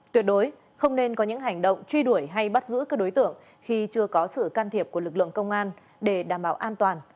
tuyệt đối không nên có những hành động truy đuổi hay bắt giữ các đối tượng khi chưa có sự can thiệp của lực lượng công an để đảm bảo an toàn